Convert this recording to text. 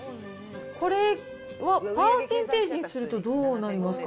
これは、パーセンテージにするとどうなりますか。